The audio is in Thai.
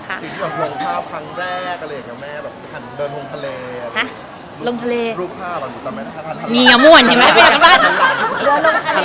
เธอเป็นผู้หญิงที่เคราะห์ดีชอบงาน